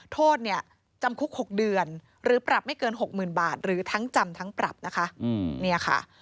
โทษเนี่ยจำคุก๖เดือนหรือปรับไม่เกิน๖๐๐๐บาทหรือทั้งจำทั้งปรับนะคะ